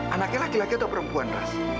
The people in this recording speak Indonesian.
anaknya laki laki atau perempuan ras